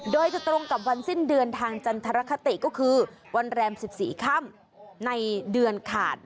โดยจะตรงกับวันสิ้นเดือนทางจันทรคติก็คือวันแรม๑๔ค่ำในเดือนขาด